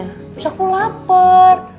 terus aku lapar